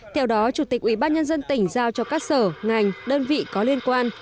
theo đó chủ tịch ủy ban nhân dân tỉnh giao cho các sở ngành đơn vị có liên quan